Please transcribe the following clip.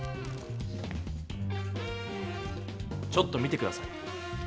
ちょっと見て下さい。